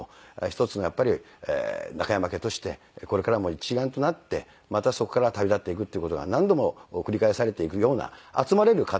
一つの中山家としてこれからも一丸となってまたそこから旅立っていくっていう事が何度も繰り返されていくような集まれる家庭をね